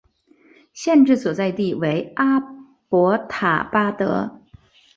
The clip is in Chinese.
县治所在地为阿伯塔巴德。